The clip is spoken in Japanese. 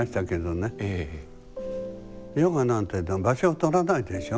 ヨガなんてのは場所を取らないでしょ。